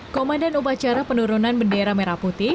komandan upacara penurunan bendera merah putih